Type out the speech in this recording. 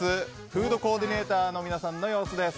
フードコーディネーターの皆さんの様子です。